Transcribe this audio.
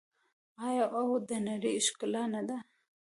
آیا او د نړۍ ښکلا نه دي؟